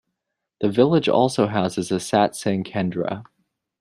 The village also houses a 'Satsang Kendra'.